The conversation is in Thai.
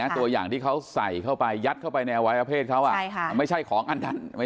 ตัวอย่างที่เขาใส่เข้าไปยัดเข้าไปในอวัยวะเพศเขาไม่ใช่ของอันทัน